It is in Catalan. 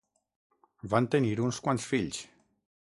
Van tenir uns quants fills.